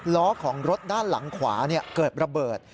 ล้อของรถด้านหลังขวาเกิดระเบิด